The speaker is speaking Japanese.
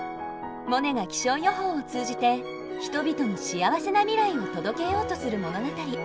モネが気象予報を通じて人々に幸せな未来を届けようとする物語。